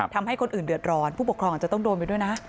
ทำให้คนอื่นเดือดร้อนผู้ปกครองอาจจะต้องโดนไปด้วยนะ